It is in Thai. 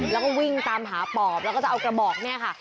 แล้วก็วิ่งตามหาปอบแล้วก็จะเอากระบอกเนี่ยค่ะ